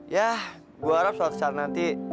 ya gua harap suatu saat nanti